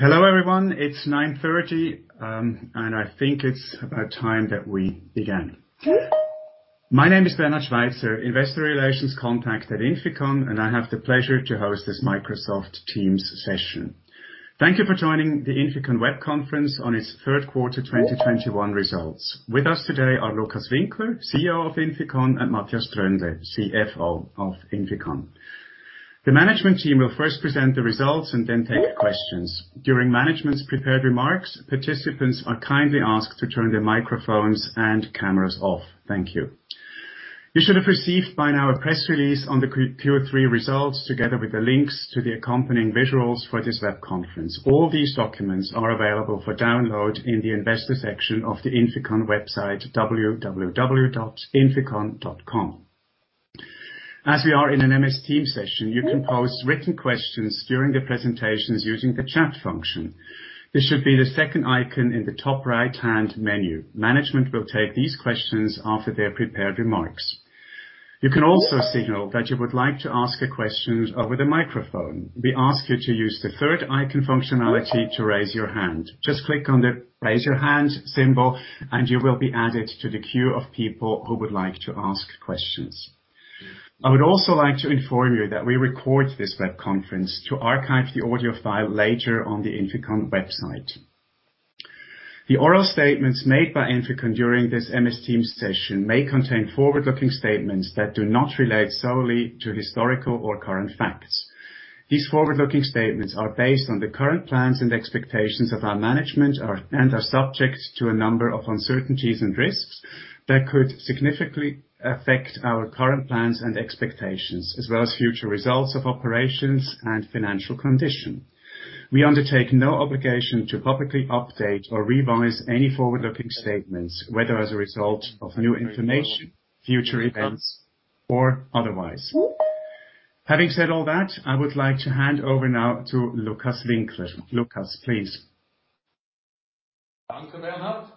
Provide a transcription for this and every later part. Hello everyone. It's 9:30, and I think it's about time that we began. My name is Bernhard Schweizer, investor relations contact at INFICON, and I have the pleasure to host this Microsoft Teams session. Thank you for joining the INFICON web conference on its third quarter 2021 results. With us today are Lukas Winkler, CEO of INFICON, and Matthias Tröndle, CFO of INFICON. The management team will first present the results and then take questions. During management's prepared remarks, participants are kindly asked to turn their microphones and cameras off. Thank you. You should have received by now a press release on the Q3 results, together with the links to the accompanying visuals for this web conference. All these documents are available for download in the investor section of the INFICON website, www.inficon.com. As we are in a Microsoft Teams session, you can pose written questions during the presentations using the chat function. This should be the second icon in the top right-hand menu. Management will take these questions after their prepared remarks. You can also signal that you would like to ask a question over the microphone. We ask you to use the third icon functionality to raise your hand. Just click on the Raise Your Hand symbol, and you will be added to the queue of people who would like to ask questions. I would also like to inform you that we record this web conference to archive the audio file later on the INFICON website. The oral statements made by INFICON during this Microsoft Teams session may contain forward-looking statements that do not relate solely to historical or current facts. These forward-looking statements are based on the current plans and expectations of our management, and are subject to a number of uncertainties and risks that could significantly affect our current plans and expectations, as well as future results of operations and financial condition. We undertake no obligation to publicly update or revise any forward-looking statements, whether as a result of new information, future events, or otherwise. Having said all that, I would like to hand over now to Lukas Winkler. Lukas, please. Thank you Bernhard.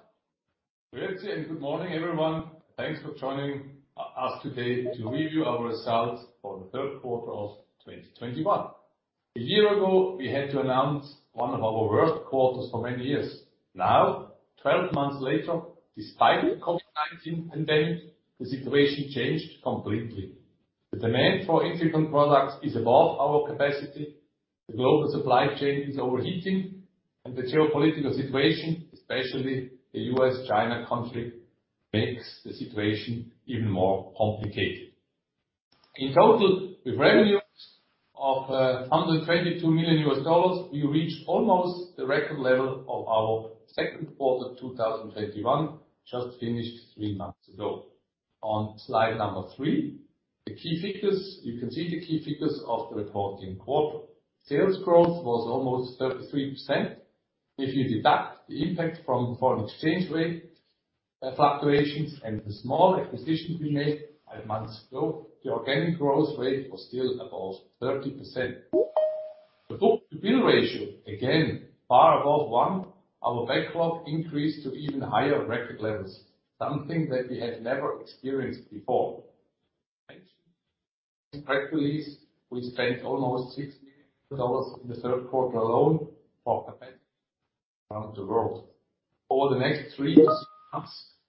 Greetings and good morning everyone. Thanks for joining us today to review our results for the third quarter of 2021. A year ago, we had to announce one of our worst quarters for many years. Now, 12 months later, despite the COVID-19 pandemic, the situation changed completely. The demand for INFICON products is above our capacity. The global supply chain is overheating, and the geopolitical situation, especially the U.S.-China conflict, makes the situation even more complicated. In total, with revenues of $122 million, we reached almost the record level of our second quarter 2021, just finished three months ago. On slide number three, you can see the key figures of the reporting quarter. Sales growth was almost 33%. If you deduct the impact from foreign exchange rate fluctuations and the small acquisition we made five months ago, the organic growth rate was still above 30%. The book-to-bill ratio, again, far above one. Our backlog increased to even higher record levels, something that we had never experienced before. Press release, we spent $60 million in the third quarter alone for capacity around the world. Over the next three months,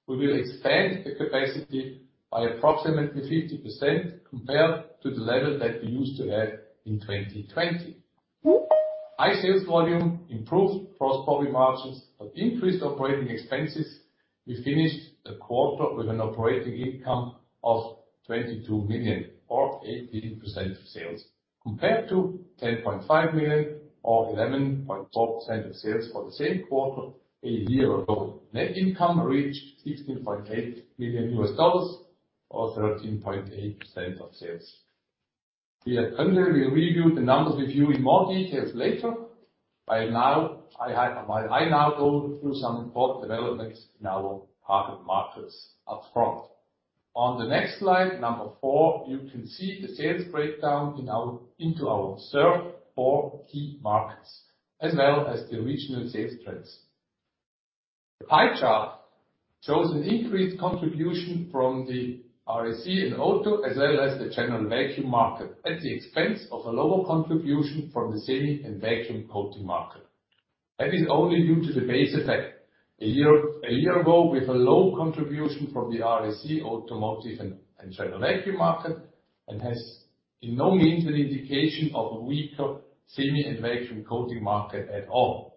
we will expand the capacity by 50%, compared to the level that we used to have in 2020. High sales volume improved gross profit margins, but increased operating expenses. We finished the quarter with an operating income of $22 million or 18% of sales, compared to $10.5 million or 11.4% of sales for the same quarter a year ago. Net income reached $16.8 million, or 13.8% of sales. Tröndle will review the numbers with you in more details later. While I now go through some important developments in our target markets up front. On the next slide, number four, you can see the sales breakdown into our four key markets, as well as the regional sales trends. The pie chart shows an increased contribution from the R/AC and auto, as well as the general vacuum market, at the expense of a lower contribution from the semi and vacuum coating market. That is only due to the base effect a year ago, with a low contribution from the R/AC, automotive, and general vacuum market, and has, in no means, an indication of a weaker semi and vacuum coating market at all.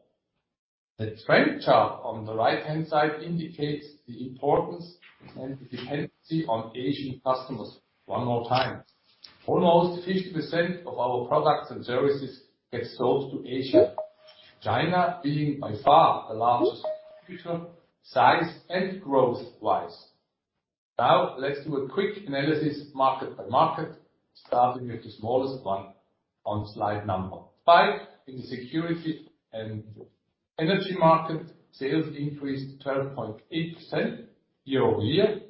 The trend chart on the right-hand side indicates the importance and the dependency on Asian customers one more time. Almost 50% of our products and services get sold to Asia. China being by far the largest size and growth-wise. Let's do a quick analysis market by market, starting with the smallest one on slide number five. In the security and energy market, sales increased 12.8% year-over-year,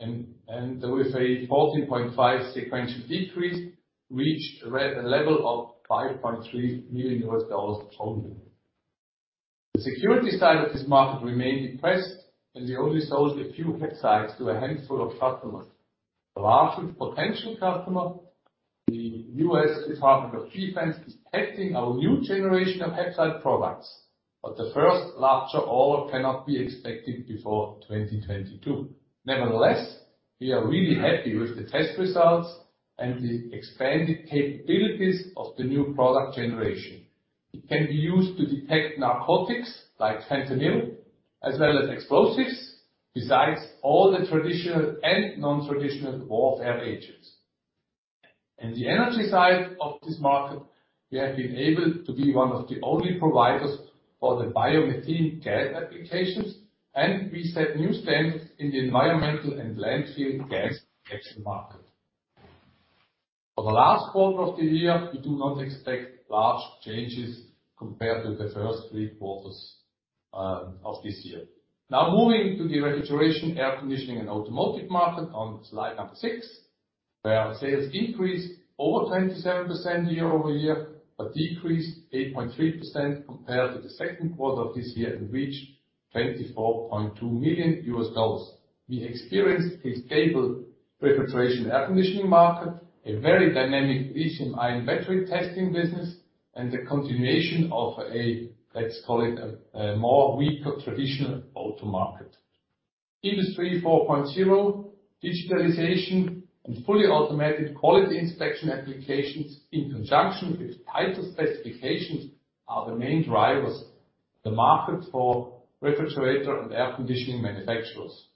and with a 14.5% sequential decrease, reached a level of $5.3 million only. The security side of this market remained depressed, and we only sold a few HAPSITEs to a handful of customers. The largest potential customer, the US Department of Defense, is testing our new generation of HAPSITE products, but the first larger order cannot be expected before 2022. Nevertheless, we are really happy with the test results and the expanded capabilities of the new product generation. It can be used to detect narcotics like fentanyl as well as explosives, besides all the traditional and non-traditional warfare agents. In the energy side of this market, we have been able to be one of the only providers for the biomethane gas applications, and we set new standards in the environmental and landfill gas detection market. For the last quarter of the year, we do not expect large changes compared to the first three quarters of this year. Moving to the refrigeration, air conditioning, and automotive market on slide six, where our sales increased over 27% year-over-year, but decreased 8.3% compared with the second quarter of this year, and reached $24.2 million. We experienced a stable refrigeration, air conditioning market, a very dynamic lithium-ion battery testing business, and the continuation of a, let's call it, a more weaker traditional auto market. Industry 4.0, digitalization, and fully automated quality inspection applications in conjunction with tighter specifications are the main drivers. The market for refrigerator and air conditioning manufacturers.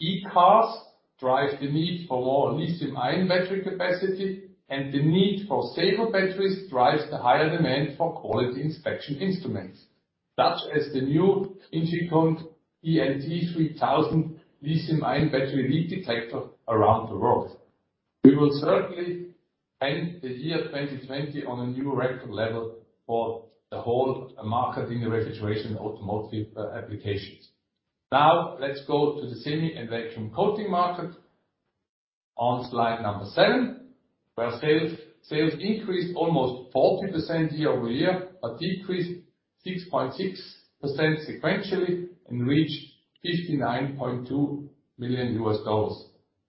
E-cars drive the need for more lithium-ion battery capacity, and the need for safer batteries drives the higher demand for quality inspection instruments, such as the new INFICON ELT3000 lithium-ion battery leak detector around the world. We will certainly end the year 2020 on a new record level for the whole market in the refrigeration automotive applications. Now, let's go to the semi and vacuum coating market on slide number seven, where sales increased almost 40% year-over-year, but decreased 6.6% sequentially and reached $59.2 million,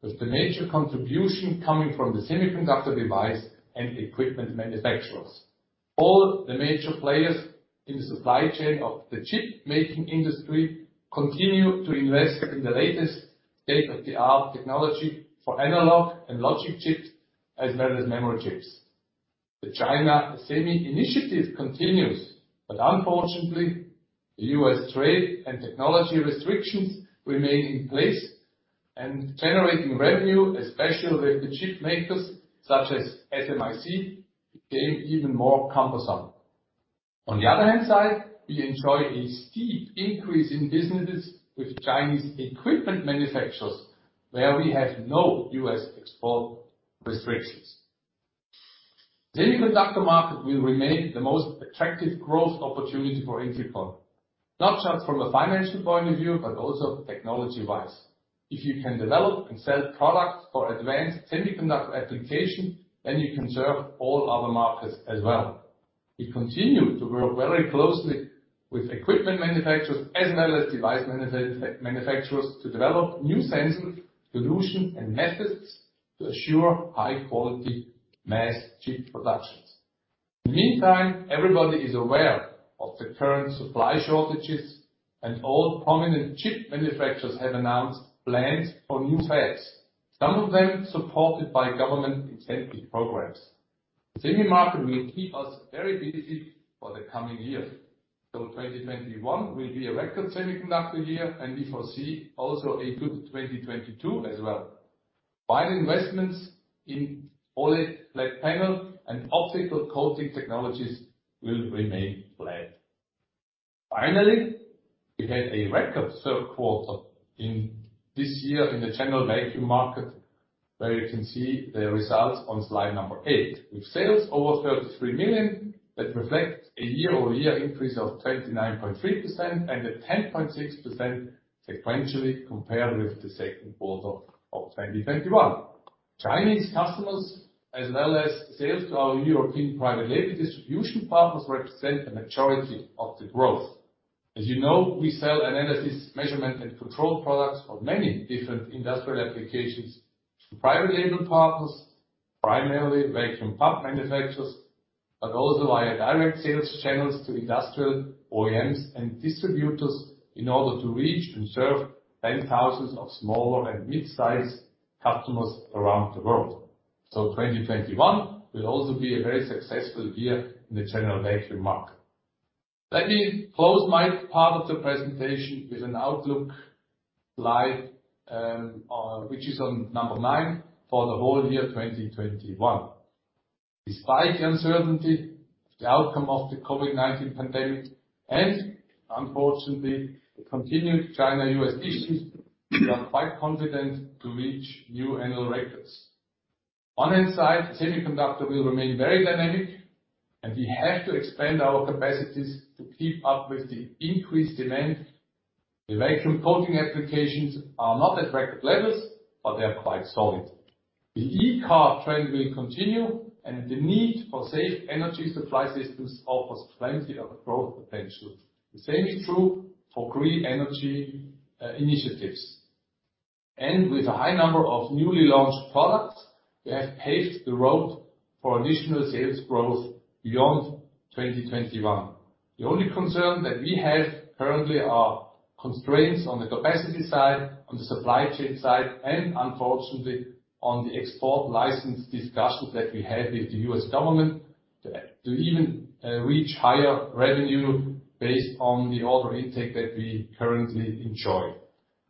with the major contribution coming from the semiconductor device and equipment manufacturers. All the major players in the supply chain of the chip-making industry continue to invest in the latest state-of-the-art technology for analog and logic chips, as well as memory chips. The China semi initiative continues, but unfortunately, the U.S. trade and technology restrictions remain in place, and generating revenue, especially with the chip makers such as SMIC, became even more cumbersome. On the other hand side, we enjoy a steep increase in businesses with Chinese equipment manufacturers, where we have no U.S. export restrictions. Semiconductor market will remain the most attractive growth opportunity for INFICON, not just from a financial point of view, but also technology-wise. If you can develop and sell products for advanced semiconductor application, then you can serve all other markets as well. We continue to work very closely with equipment manufacturers as well as device manufacturers to develop new sensor solutions and methods to assure high-quality mass chip productions. In the meantime, everybody is aware of the current supply shortages, and all prominent chip manufacturers have announced plans for new fabs, some of them supported by government incentive programs. The semi market will keep us very busy for the coming years. 2021 will be a record semiconductor year, and we foresee also a good 2022 as well. Final investments in OLED flat panel and optical coating technologies will remain flat. Finally, we had a record third quarter in this year in the general vacuum market, where you can see the results on slide number eight, with sales over $33 million. That reflects a year-over-year increase of 29.3% and a 10.6% sequentially compared with the second quarter of 2021. Chinese customers, as well as sales to our European private label distribution partners, represent the majority of the growth. As you know, we sell analysis, measurement, and control products for many different industrial applications to private label partners, primarily vacuum pump manufacturers, but also via direct sales channels to industrial OEMs and distributors in order to reach and serve 10,000 of small and midsize customers around the world. 2021 will also be a very successful year in the general vacuum market. Let me close my part of the presentation with an outlook slide, which is on number nine, for the whole year 2021. Despite the uncertainty, the outcome of the COVID-19 pandemic, and unfortunately, the continued China-U.S. issues, we are quite confident to reach new annual records. On one side, semiconductor will remain very dynamic, and we have to expand our capacities to keep up with the increased demand. The vacuum coating applications are not at record levels, but they are quite solid. The e-car trend will continue, and the need for safe energy supply systems offers plenty of growth potential. The same is true for green energy initiatives. With a high number of newly launched products, we have paved the road for additional sales growth beyond 2021. The only concern that we have currently are constraints on the capacity side, on the supply chain side, and unfortunately, on the export license discussions that we have with the U.S. government to even reach higher revenue based on the order intake that we currently enjoy.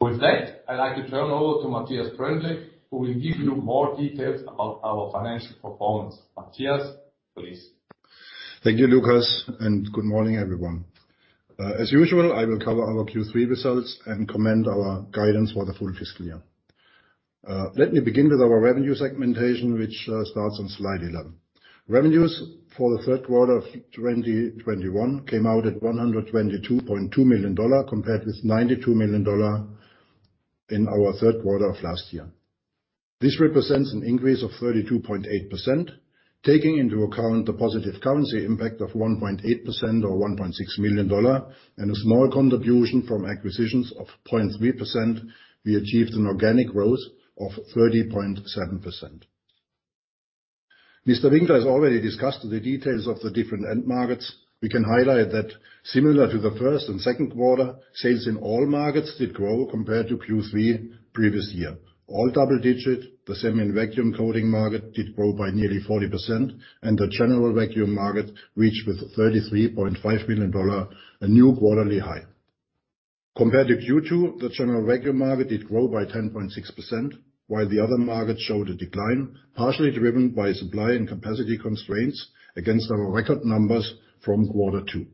With that, I'd like to turn over to Matthias Tröndle, who will give you more details about our financial performance. Matthias, please. Thank you, Lukas, and good morning, everyone. As usual, I will cover our Q3 results and comment our guidance for the full fiscal year. Let me begin with our revenue segmentation, which starts on slide 11. Revenues for the third quarter of 2021 came out at $122.2 million, compared with $92 million in our third quarter of last year. This represents an increase of 32.8%, taking into account the positive currency impact of 1.8% or $1.6 million and a small contribution from acquisitions of 0.3%, we achieved an organic growth of 30.7%. Mr. Winkler has already discussed the details of the different end markets. We can highlight that similar to the first and second quarter, sales in all markets did grow compared to Q3 previous year. All double-digit, the semi and vacuum coating market did grow by nearly 40%, and the general vacuum market reached with $33.5 million a new quarterly high. Compared to Q2, the general vacuum market did grow by 10.6%, while the other markets showed a decline, partially driven by supply and capacity constraints against our record numbers from quarter two.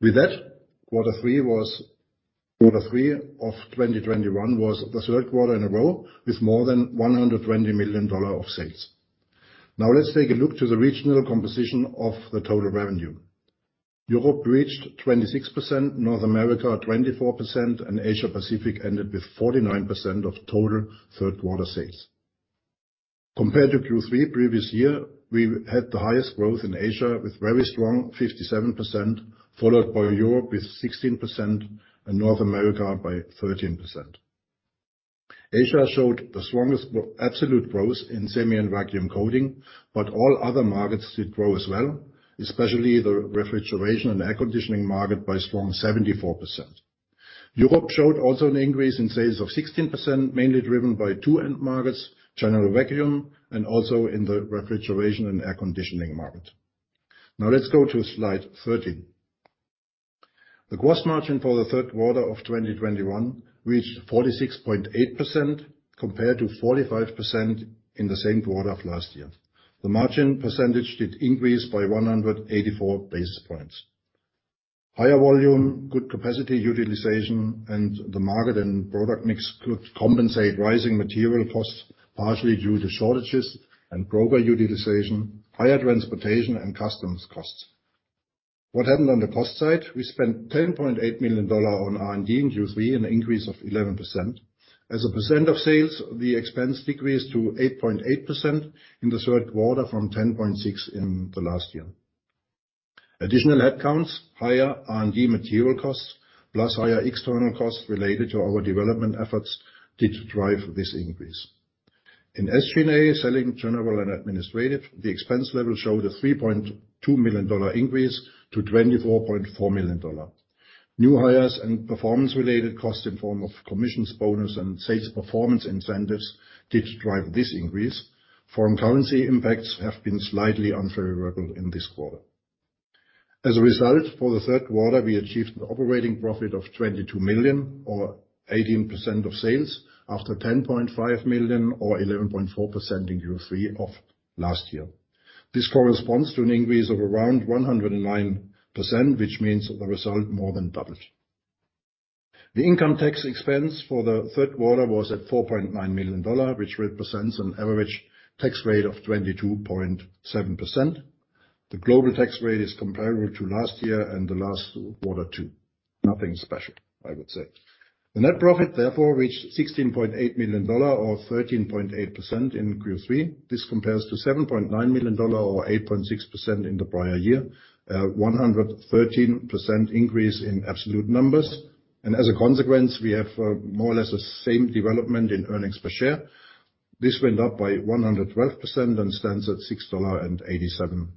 With that, quarter three of 2021 was the third quarter in a row with more than $120 million of sales. Now let's take a look to the regional composition of the total revenue. Europe reached 26%, North America, 24%, and Asia-Pacific ended with 49% of total third quarter sales. Compared to Q3 previous year, we had the highest growth in Asia with very strong 57%, followed by Europe with 16% and North America by 13%. Asia showed the strongest absolute growth in semi and vacuum coating, all other markets did grow as well, especially the refrigeration and air conditioning market by a strong 74%. Europe showed also an increase in sales of 16%, mainly driven by two end markets, general vacuum and also in the refrigeration and air conditioning market. Let's go to slide 13. The gross margin for the third quarter of 2021 reached 46.8% compared to 45% in the same quarter of last year. The margin percentage did increase by 184 basis points. Higher volume, good capacity utilization, and the market and product mix could compensate rising material costs, partially due to shortages and broker utilization, higher transportation, and customs costs. What happened on the cost side? We spent $10.8 million on R&D in Q3, an increase of 11%. As a percent of sales, the expense decreased to 8.8% in the third quarter from 10.6% in the last year. Additional headcounts, higher R&D material costs, plus higher external costs related to our development efforts did drive this increase. In SG&A, selling, general, and administrative, the expense level showed a $3.2 million increase to $24.4 million. New hires and performance-related costs in form of commissions, bonus, and sales performance incentives did drive this increase. Foreign currency impacts have been slightly unfavorable in this quarter. As a result, for the third quarter, we achieved an operating profit of $22 million or 18% of sales after $10.5 million or 11.4% in Q3 of last year. This corresponds to an increase of around 109%, which means the result more than doubled. The income tax expense for the third quarter was at $4.9 million, which represents an average tax rate of 22.7%. The global tax rate is comparable to last year and the last quarter too. Nothing special, I would say. The net profit, therefore, reached $16.8 million, or 13.8% in Q3. This compares to $7.9 million or 8.6% in the prior year, 113% increase in absolute numbers. As a consequence, we have more or less the same development in earnings per share. This went up by 112% and stands at $6.87.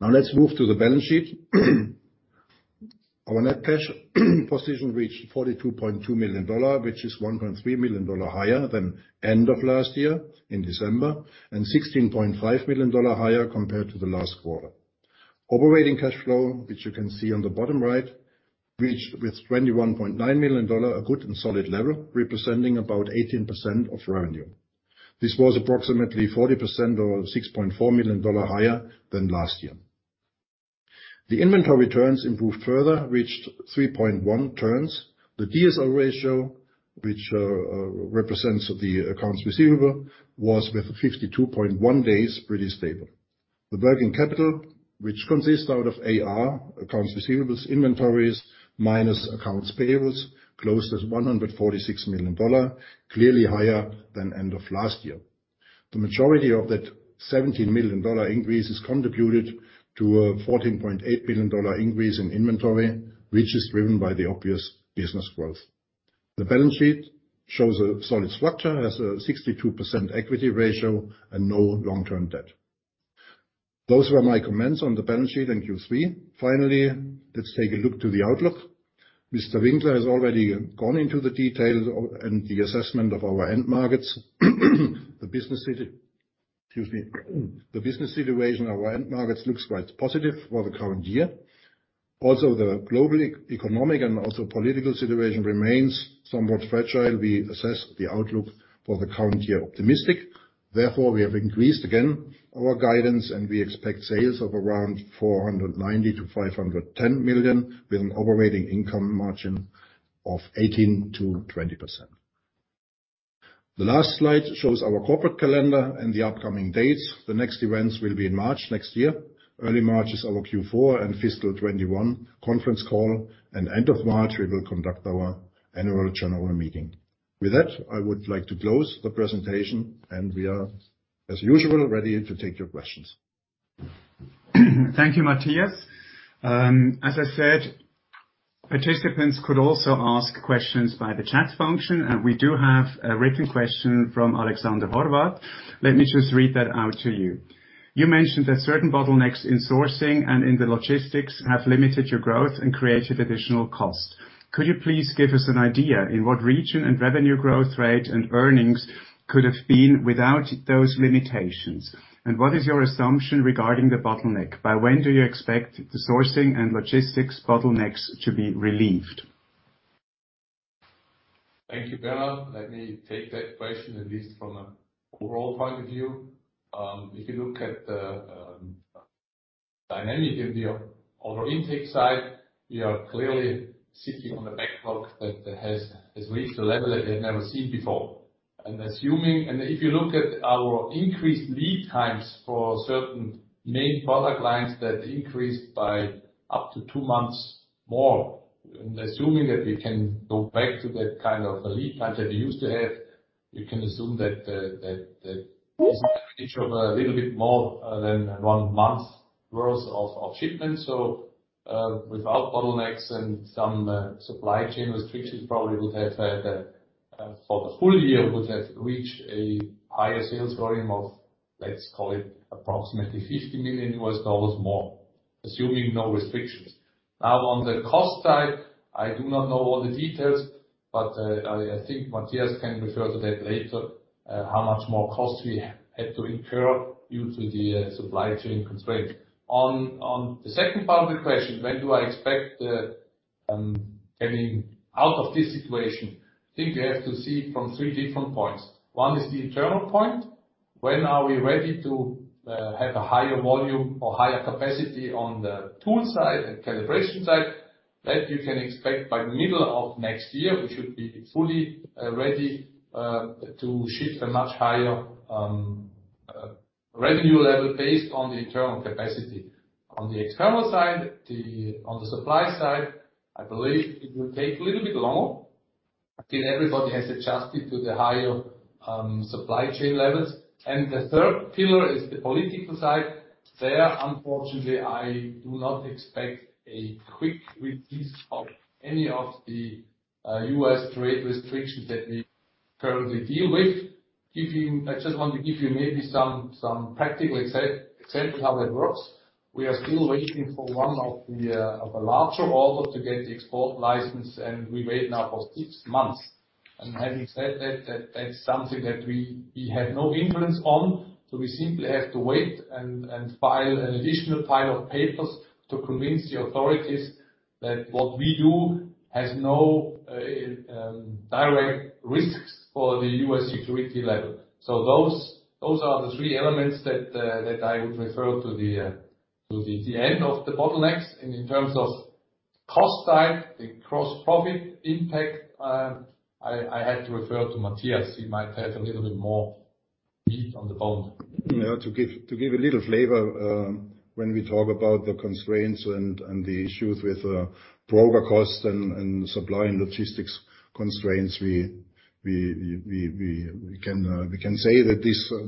Let's move to the balance sheet. Our net cash position reached $42.2 million, which is $1.3 million higher than end of last year in December, and $16.5 million higher compared to the last quarter. Operating cash flow, which you can see on the bottom right, reached with $21.9 million a good and solid level, representing about 18% of revenue. This was approximately 40% or $6.4 million higher than last year. The inventory turns improved further, reached 3.1 turns. The DSO ratio, which represents the accounts receivable, was with 52.1 days pretty stable. The working capital, which consists out of AR, accounts receivables, inventories, minus accounts payables, closed at $146 million, clearly higher than end of last year. The majority of that $17 million increase has contributed to a $14.8 billion increase in inventory, which is driven by the obvious business growth. The balance sheet shows a solid structure as a 62% equity ratio and no long-term debt. Those were my comments on the balance sheet in Q3. Finally, let's take a look to the outlook. Mr. Winkler has already gone into the details and the assessment of our end markets. The business situation of our end markets looks quite positive for the current year. Also, the global economic and also political situation remains somewhat fragile. We assess the outlook for the current year optimistic. Therefore, we have increased again our guidance, and we expect sales of around $490 million-$510 million, with an operating income margin of 18%-20%. The last slide shows our corporate calendar and the upcoming dates. The next events will be in March next year. Early March is our Q4 and fiscal 2021 conference call, and end of March, we will conduct our Annual General Meeting. With that, I would like to close the presentation, and we are, as usual, ready to take your questions. Thank you, Matthias. As I said, participants could also ask questions by the chat function. We do have a written question from Alexander Horvat. Let me just read that out to you. You mentioned that certain bottlenecks in sourcing and in the logistics have limited your growth and created additional costs. Could you please give us an idea in what region and revenue growth rate and earnings could have been without those limitations? What is your assumption regarding the bottleneck? By when do you expect the sourcing and logistics bottlenecks to be relieved? Thank you, Bernhard. Let me take that question, at least from an overall point of view. If you look at the dynamic of the order intake side, we are clearly sitting on a backlog that has reached a level that we have never seen before. If you look at our increased lead times for certain main product lines that increased by up to two months more, and assuming that we can go back to that kind of a lead time that we used to have, we can assume that this advantage of a little bit more than one month worth of shipments. Without bottlenecks and some supply chain restrictions, probably for the full year, would have reached a higher sales volume of, let's call it approximately $50 million more, assuming no restrictions. Now, on the cost side, I do not know all the details, but I think Matthias can refer to that later, how much more cost we had to incur due to the supply chain constraints. On the second part of the question, when do I expect getting out of this situation? I think we have to see it from three different points. One is the internal point. When are we ready to have a higher volume or higher capacity on the tool side and calibration side? That you can expect by middle of next year. We should be fully ready to shift a much higher revenue level based on the internal capacity. On the external side, on the supply side, I believe it will take a little bit longer until everybody has adjusted to the higher supply chain levels. The third pillar is the political side. There, unfortunately, I do not expect a quick release of any of the U.S. trade restrictions that we currently deal with. I just want to give you maybe some practical examples how that works. We are still waiting for one of the larger orders to get the export license, and we wait now for six months. Having said that's something that we have no influence on. We simply have to wait and file an additional pile of papers to convince the authorities that what we do has no direct risks for the U.S. security level. Those are the three elements that I would refer to the end of the bottlenecks. In terms of cost side, the gross profit impact, I have to refer to Matthias. He might have a little bit more meat on the bone. To give a little flavor, when we talk about the constraints and the issues with broker costs and supply and logistics constraints, we can say that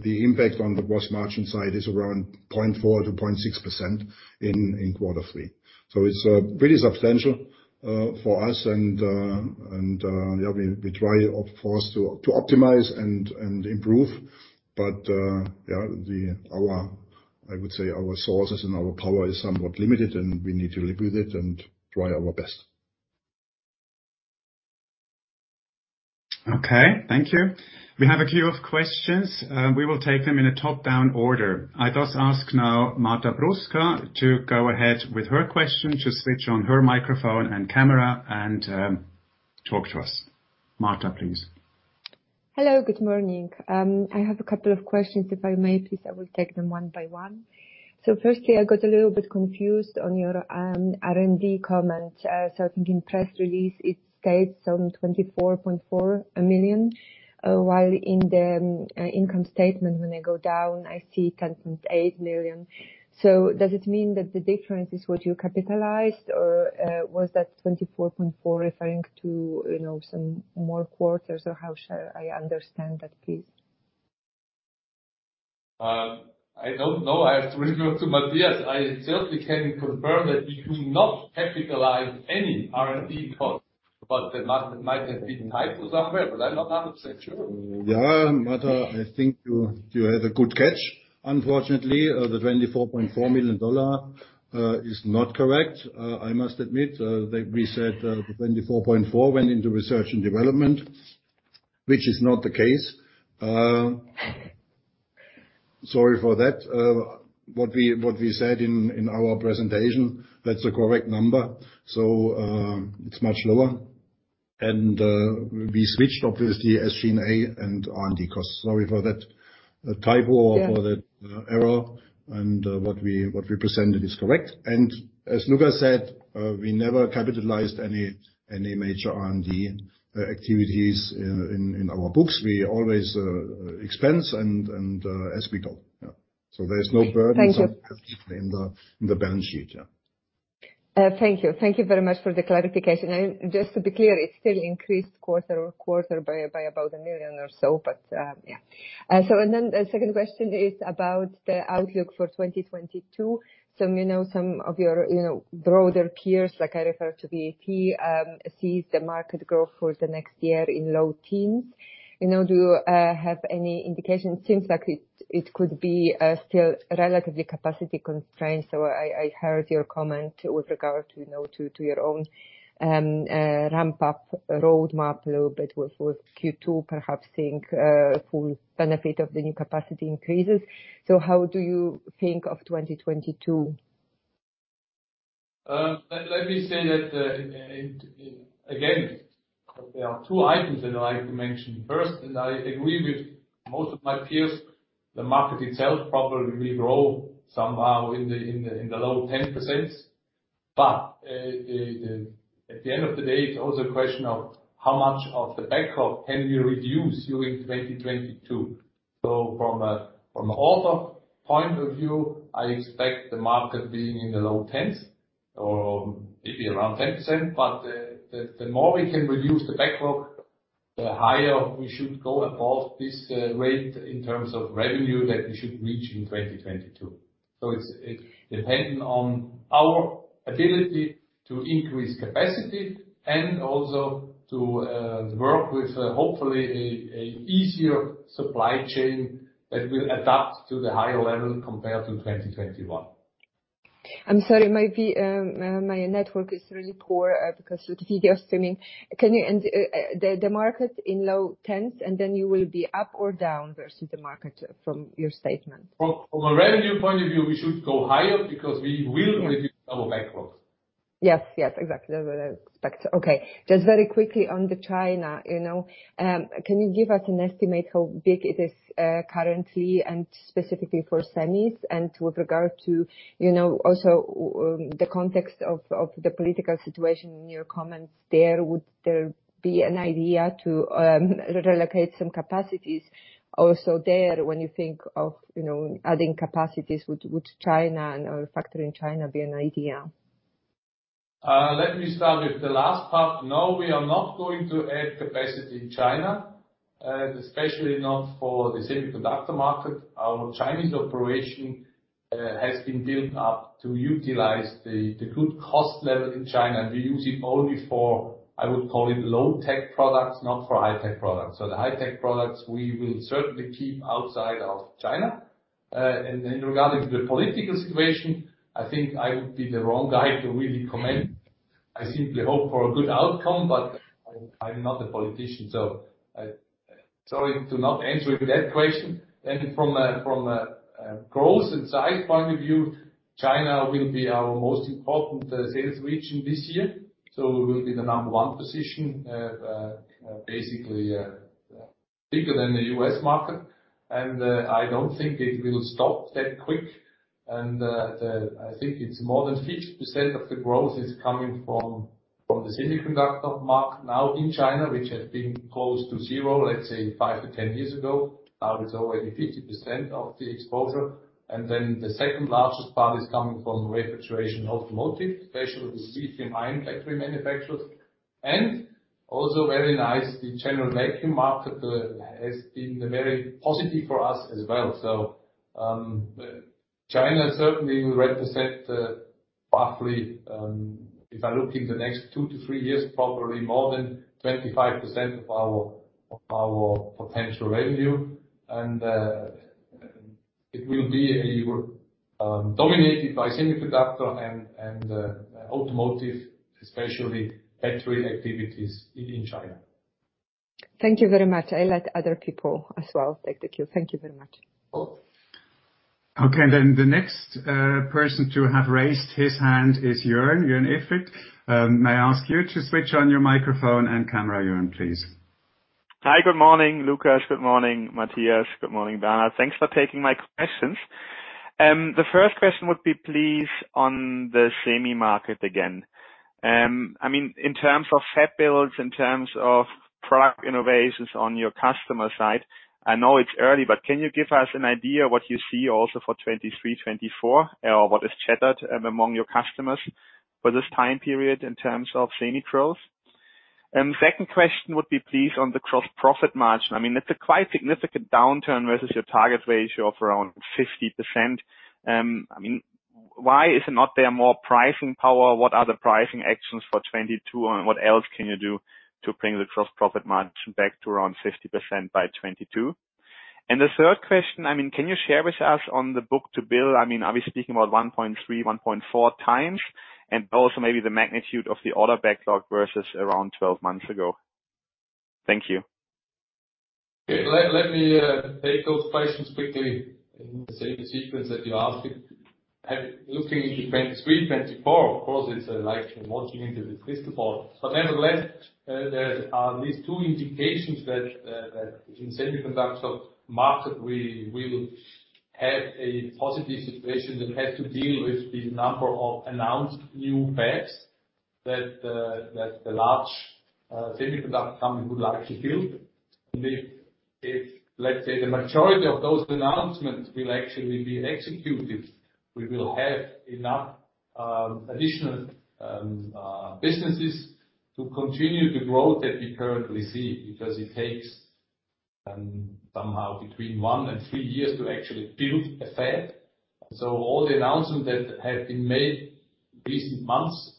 the impact on the gross margin side is around 0.4%-0.6% in quarter three. It's pretty substantial for us, and we try, of course, to optimize and improve. I would say our sources and our power is somewhat limited, and we need to live with it and try our best. Okay. Thank you. We have a queue of questions. We will take them in a top-down order. I thus ask now Marta Bruska to go ahead with her question, to switch on her microphone and camera and talk to us. Marta, please. Hello, good morning. I have a couple of questions, if I may, please. I will take them one by one. Firstly, I got a little bit confused on your R&D comment. I think in press release it states some $24.4 million, while in the income statement, when I go down, I see $10.8 million. Does it mean that the difference is what you capitalized, or was that $24.4 million referring to some more quarters, or how shall I understand that, please? I don't know. I have to refer to Matthias. I certainly can confirm that we do not capitalize any R&D cost, but there might have been typo somewhere. I'm not 100% sure. Yeah, Marta, I think you had a good catch. Unfortunately, the $24.4 million is not correct. I must admit that we said $24.4 went into research and development, which is not the case. Sorry for that. What we said in our presentation, that's the correct number. It's much lower. We switched, obviously, SG&A and R&D costs. Sorry for that typo or for that error. What we presented is correct. As Lukas said, we never capitalized any major R&D activities in our books. We always expense and as we go. Yeah. There is no burden. Thank you. in the balance sheet, yeah. Thank you. Thank you very much for the clarification. Just to be clear, it still increased quarter-over-quarter by about $1 million or so, but, yeah. Then the second question is about the outlook for 2022. Some of your broader peers, like I referred to VAT, sees the market growth for the next year in low teens. Do you have any indication? It seems like it could be still relatively capacity constrained. I heard your comment with regard to your own ramp-up roadmap a little bit with Q2 perhaps seeing a full benefit of the new capacity increases. How do you think of 2022? Let me say that, again, there are two items that I like to mention. First, I agree with most of my peers, the market itself probably will grow somehow in the low 10%. At the end of the day, it's also a question of how much of the backlog can we reduce during 2022. From an order point of view, I expect the market being in the low tens, or maybe around 10%, the more we can reduce the backlog, the higher we should go above this rate in terms of revenue that we should reach in 2022. It's dependent on our ability to increase capacity and also to work with, hopefully, a easier supply chain that will adapt to the higher level compared to 2021. I'm sorry, my network is really poor because of the video streaming. The market in low 10s, and then you will be up or down versus the market from your statement? From a revenue point of view, we should go higher because we will reduce our backlogs. Yes. Exactly. That's what I expected. Okay. Just very quickly on the China. Can you give us an estimate how big it is currently, and specifically for semis, and with regard to also the context of the political situation in your comments there. Would there be an idea to relocate some capacities also there when you think of adding capacities? Would China and/or a factory in China be an idea? Let me start with the last part. No, we are not going to add capacity in China, especially not for the semiconductor market. Our Chinese operation has been built up to utilize the good cost level in China, and we use it only for, I would call it low-tech products, not for high-tech products. The high-tech products, we will certainly keep outside of China. Regarding to the political situation, I think I would be the wrong guy to really comment. I simply hope for a good outcome, but I'm not a politician, sorry to not answer that question. From a growth and size point of view, China will be our most important sales region this year. We will be the number one position, basically, bigger than the U.S. market. I don't think it will stop that quick. I think it's more than 50% of the growth is coming from the semiconductor market now in China, which has been close to zero, let's say, 5-10 years ago. Now it's already 50% of the exposure. The second largest part is coming from refrigeration, automotive, especially with lithium-ion battery manufacturers. Also very nice, the general vacuum market has been very positive for us as well. China certainly will represent roughly, if I look in the next 2-3 years, probably more than 25% of our potential revenue. It will be dominated by semiconductor and automotive, especially battery activities in China. Thank you very much. I let other people as well take the queue. Thank you very much. Okay, the next person to have raised his hand is Joern Iffert. May I ask you to switch on your microphone and camera, Joern, please? Hi. Good morning, Lukas. Good morning, Matthias. Good morning, Bernhard. Thanks for taking my questions. The first question would be please on the semi market again. In terms of fab builds, in terms of product innovations on your customer side, I know it's early, but can you give us an idea what you see also for 2023, 2024, or what is chatted among your customers for this time period in terms of semi growth? Second question would be please on the gross profit margin. It's a quite significant downturn versus your target ratio of around 50%. Why is it not there more pricing power? What are the pricing actions for 2022? What else can you do to bring the gross profit margin back to around 50% by 2022? The third question, can you share with us on the book-to-bill? Are we speaking about 1.3, 1.4 times? Also maybe the magnitude of the order backlog versus around 12 months ago. Thank you. Okay. Let me take those questions quickly in the same sequence that you asked it. Nevertheless, there are at least two indications that in semiconductor market, we will have a positive situation that has to deal with the number of announced new fabs that the large semiconductor company would like to build. If, let's say, the majority of those announcements will actually be executed, we will have enough additional businesses to continue the growth that we currently see, because it takes somehow between one and three years to actually build a fab. All the announcements that have been made recent months,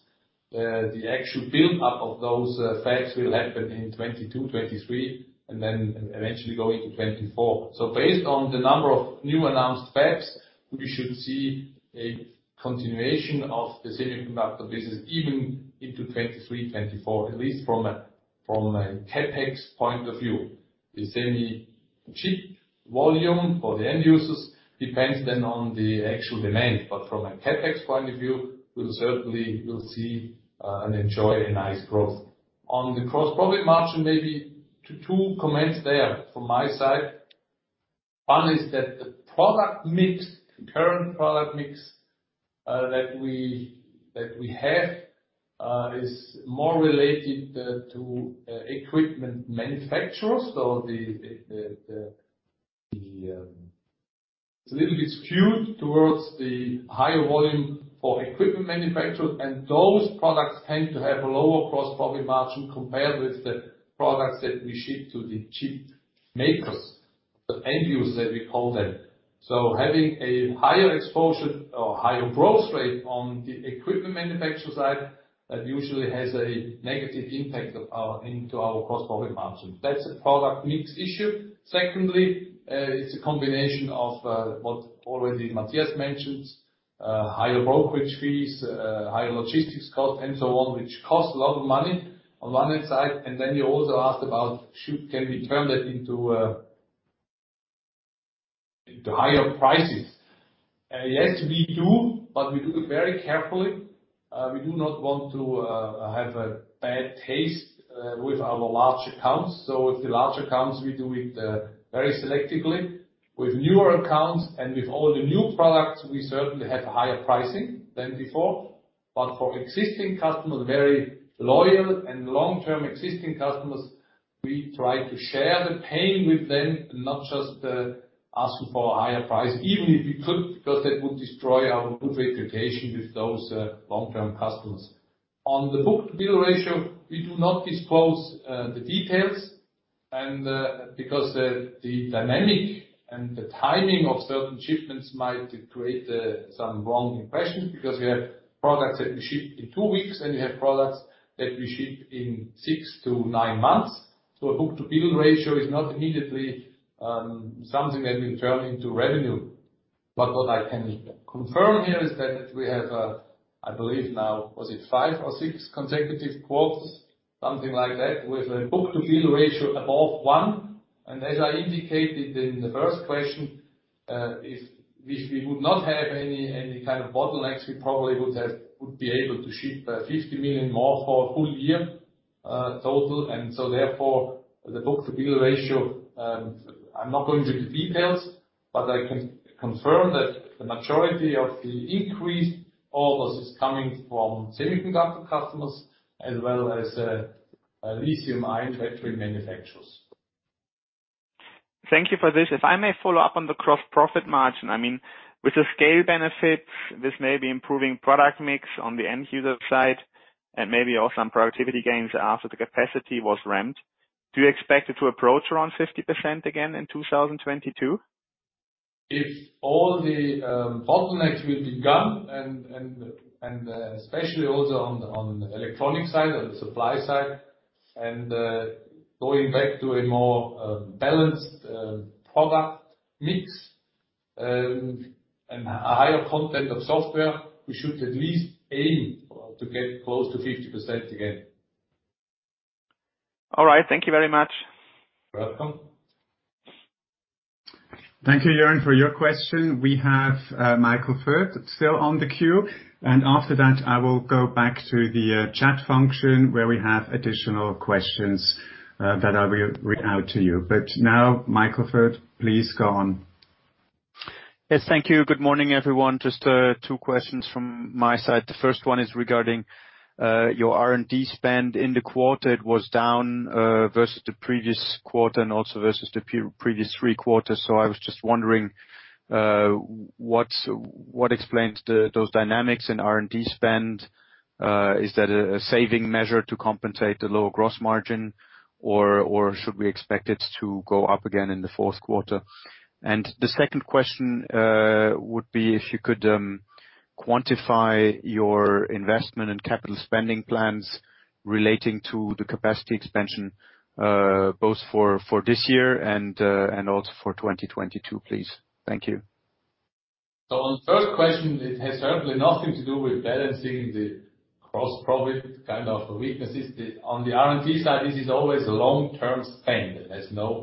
the actual build-up of those fabs will happen in 2022, 2023, and then eventually go into 2024. Based on the number of new announced fabs, we should see a continuation of the semiconductor business even into 2023, 2024, at least from a CapEx point of view. The semi chip volume for the end users depends then on the actual demand. From a CapEx point of view, we certainly will see and enjoy a nice growth. On the gross profit margin, maybe two comments there from my side. One is that the product mix, the current product mix that we have, is more related to equipment manufacturers. It's a little bit skewed towards the higher volume for equipment manufacturers, and those products tend to have a lower gross profit margin compared with the products that we ship to the chip makers, the end users that we call them. Having a higher exposure or higher growth rate on the equipment manufacturer side, that usually has a negative impact into our gross profit margin. That's a product mix issue. Secondly, it's a combination of what already Matthias mentioned, higher brokerage fees, higher logistics cost, and so on, which costs a lot of money on one hand side. You also asked about can we turn that into higher prices? Yes, we do, but we do it very carefully. We do not want to have a bad taste with our large accounts. With the large accounts, we do it very selectively. With newer accounts and with all the new products, we certainly have higher pricing than before. For existing customers, very loyal and long-term existing customers, we try to share the pain with them and not just ask for a higher price, even if we could, because that would destroy our good reputation with those long-term customers. On the book-to-bill ratio, we do not disclose the details. Because the dynamic and the timing of certain shipments might create some wrong impressions, because we have products that we ship in two weeks, and we have products that we ship in six-nine months. A book-to-bill ratio is not immediately something that will turn into revenue. What I can confirm here is that we have, I believe now, was it five or six consecutive quarters, something like that, with a book-to-bill ratio above one. As I indicated in the first question, if we would not have any kind of bottlenecks, we probably would be able to ship 50 million more for a full year total. Therefore, the book-to-bill ratio, I'm not going into the details, but I can confirm that the majority of the increased orders is coming from semiconductor customers as well as equipment factory manufacturers. Thank you for this. If I may follow up on the gross profit margin. With the scale benefits, this may be improving product mix on the end user side and maybe also some productivity gains after the capacity was ramped. Do you expect it to approach around 50% again in 2022? If all the bottlenecks will be gone, and especially also on the electronic side, on the supply side, and going back to a more balanced product mix, and a higher content of software, we should at least aim to get close to 50% again. All right. Thank you very much. You're welcome. Thank you, Joern, for your question. We have Michael Foeth still on the queue, and after that, I will go back to the chat function where we have additional questions that I will read out to you. Now, Michael Foeth, please go on. Yes. Thank you. Good morning, everyone. Just two questions from my side. The first one is regarding your R&D spend in the quarter. It was down versus the previous quarter and also versus the previous three quarters. I was just wondering what explains those dynamics in R&D spend. Is that a saving measure to compensate the lower gross margin, or should we expect it to go up again in the fourth quarter? The second question would be if you could quantify your investment and CapEx plans relating to the capacity expansion, both for this year and also for 2022, please. Thank you. On the first question, it has certainly nothing to do with balancing the gross profit kind of weaknesses. On the R&D side, this is always a long-term spend. It has never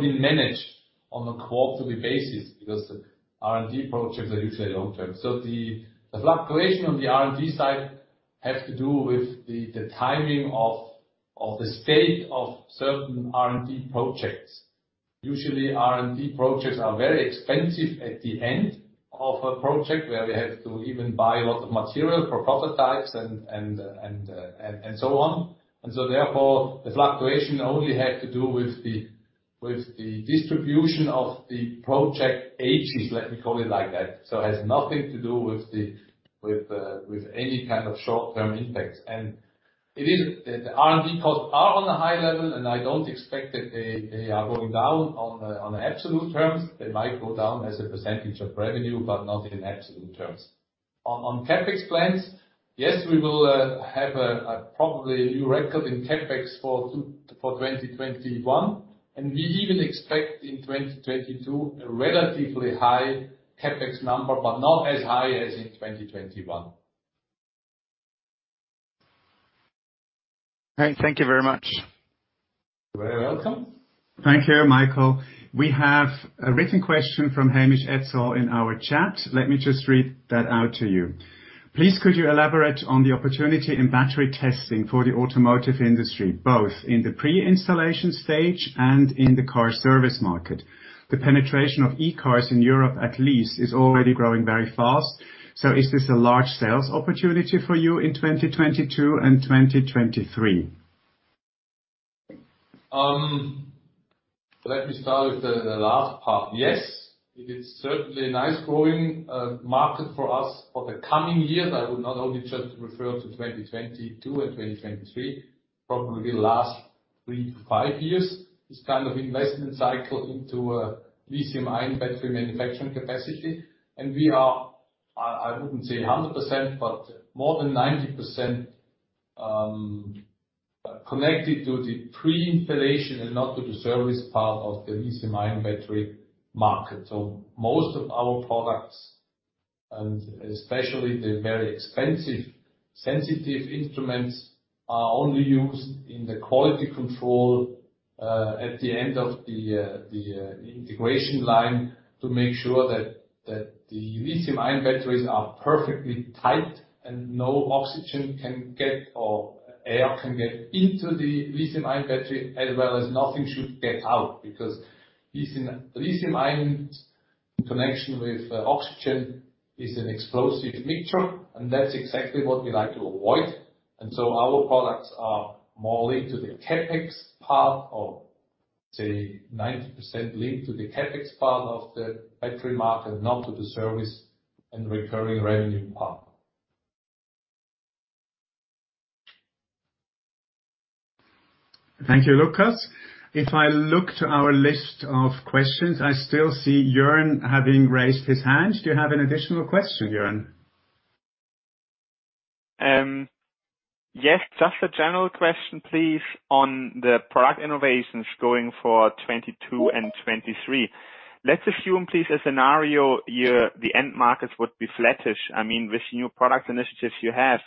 been managed on a quarterly basis because R&D projects are usually long-term. The fluctuation on the R&D side has to do with the timing of the state of certain R&D projects. Usually, R&D projects are very expensive at the end of a project, where we have to even buy a lot of material for prototypes, and so on. Therefore, the fluctuation only had to do with the distribution of the project ages, let me call it like that. It has nothing to do with any kind of short-term impacts. The R&D costs are on a high level, and I don't expect that they are going down on absolute terms. They might go down as a percentage of revenue, but not in absolute terms. On CapEx plans, yes, we will have probably a new record in CapEx for 2021, and we even expect in 2022 a relatively high CapEx number, but not as high as in 2021. All right. Thank you very much. You're very welcome. Thank you, Michael. We have a written question from Hamish Edsell in our chat. Let me just read that out to you. Please could you elaborate on the opportunity in battery testing for the automotive industry, both in the pre-installation stage and in the car service market? The penetration of e-cars in Europe at least, is already growing very fast. Is this a large sales opportunity for you in 2022 and 2023? Let me start with the last part. Yes, it is certainly a nice growing market for us for the coming years. I would not only just refer to 2022 and 2023. Probably the last three to five years is kind of investment cycle into a lithium-ion battery manufacturing capacity. And we are, I wouldn't say 100%, but more than 90% connected to the pre-installation and not to the service part of the lithium-ion battery market. So most of our products, and especially the very expensive, sensitive instruments, are only used in the quality control, at the end of the integration line to make sure that the lithium-ion batteries are perfectly tight and no oxygen can get, or air can get into the lithium-ion battery, as well as nothing should get out. Because lithium ion in connection with oxygen is an explosive mixture, and that's exactly what we like to avoid. Our products are more linked to the CapEx part, or say 90% linked to the CapEx part of the battery market, not to the service and recurring revenue part. Thank you, Lukas. If I look to our list of questions, I still see Joern having raised his hand. Do you have an additional question, Joern? Just a general question, please, on the product innovations going for 2022 and 2023. Let's assume, please, a scenario the end markets would be flattish. With new product initiatives you have,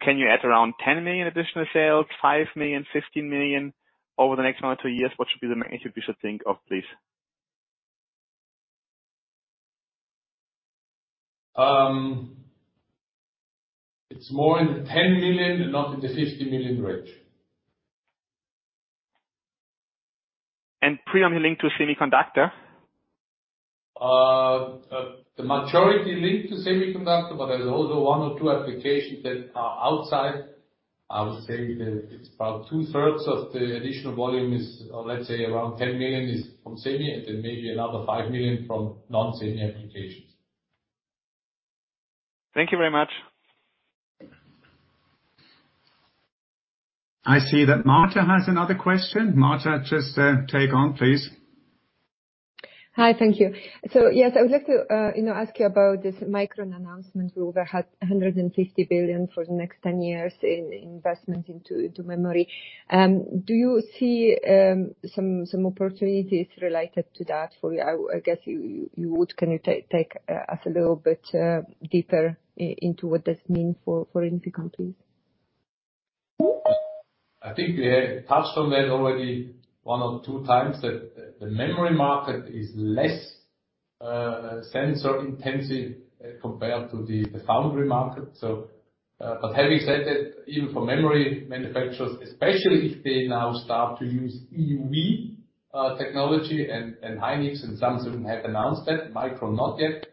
can you add around $10 million additional sales, $5 million, $15 million over the next one or two years? What should be the magnitude we should think of, please? It's more in the $10 million and not in the $15 million range. Primarily linked to semiconductor? The majority linked to semiconductor, but there's also one or two applications that are outside. I would say that it's about 2/3 of the additional volume, or let's say around $10 million, is from semi, and then maybe another $5 million from non-semi applications. Thank you very much. I see that Marta has another question. Marta, just take on, please. Hi. Thank you. Yes, I would like to ask you about this Micron announcement where they had $150 billion for the next 10 years in investment into memory. Do you see some opportunities related to that for you? I guess you would. Can you take us a little bit deeper into what this means for INFICON, please? I think we touched on that already one or two times, that the memory market is less sensor-intensive compared to the foundry market. Having said that, even for memory manufacturers, especially if they now start to use EUV technology, and Hynix and Samsung have announced that, Micron not yet.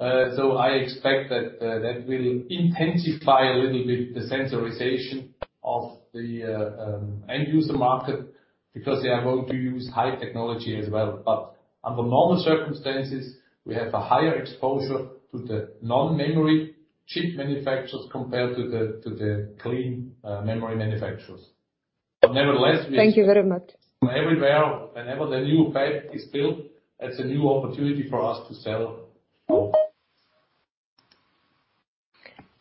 I expect that will intensify a little bit the sensorization of the end-user market, because they are going to use high technology as well. Under normal circumstances, we have a higher exposure to the non-memory chip manufacturers compared to the clean memory manufacturers. Thank you very much. Everywhere, whenever the new fab is built, that's a new opportunity for us to sell.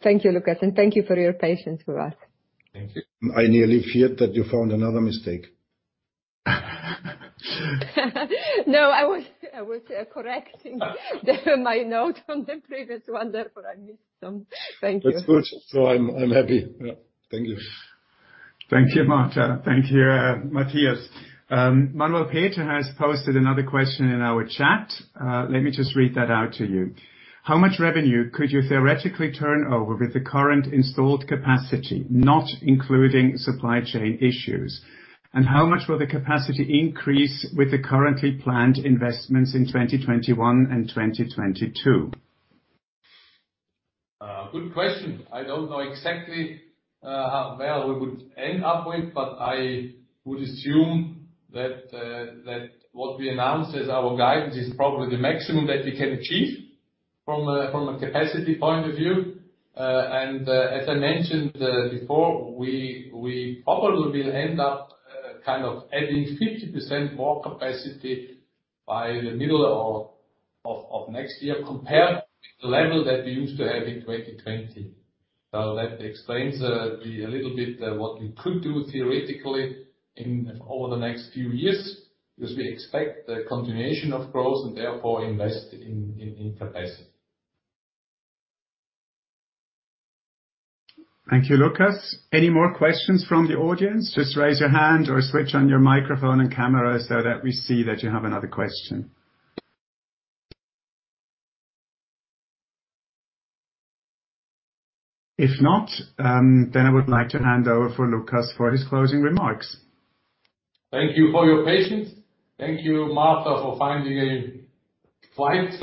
Thank you, Lukas, and thank you for your patience with us. Thank you. I nearly feared that you found another mistake. No, I was correcting my note from the previous one, therefore I missed some. Thank you. That's good. I'm happy. Yeah. Thank you. Thank you, Marta. Thank you, Matthias. Manuel Peter has posted another question in our chat. Let me just read that out to you. "How much revenue could you theoretically turn over with the current installed capacity, not including supply chain issues? And how much will the capacity increase with the currently planned investments in 2021 and 2022? Good question. I don't know exactly how well we would end up with, but I would assume that what we announced as our guidance is probably the maximum that we can achieve from a capacity point of view. As I mentioned before, we probably will end up kind of adding 50% more capacity by the middle of next year compared with the level that we used to have in 2020. That explains a little bit what we could do theoretically over the next few years, because we expect the continuation of growth and therefore invest in capacity. Thank you, Lukas. Any more questions from the audience? Just raise your hand or switch on your microphone and camera so that we see that you have another question. If not, I would like to hand over for Lukas for his closing remarks. Thank you for your patience. Thank you, Marta, for finding a quite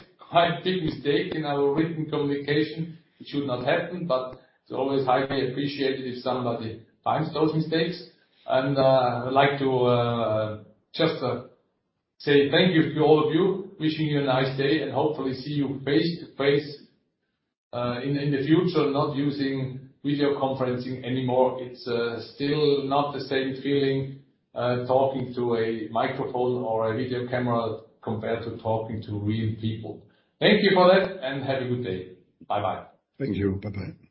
big mistake in our written communication. It should not happen, but it's always highly appreciated if somebody finds those mistakes. I would like to just say thank you to all of you, wishing you a nice day, and hopefully see you face-to-face in the future, not using video conferencing anymore. It's still not the same feeling talking to a microphone or a video camera compared to talking to real people. Thank you for that, and have a good day. Bye-bye. Thank you. Bye-bye.